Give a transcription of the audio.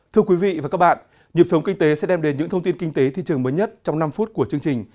thưa quý vị và các bạn nhịp sống kinh tế sẽ đem đến những thông tin kinh tế thị trường mới nhất trong năm phút của chương trình